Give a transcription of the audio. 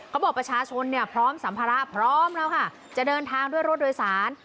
บอกประชาชนเนี่ยพร้อมสัมภาระพร้อมแล้วค่ะจะเดินทางด้วยรถโดยสาร